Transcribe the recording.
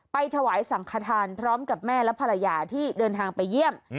ถวายสังขทานพร้อมกับแม่และภรรยาที่เดินทางไปเยี่ยม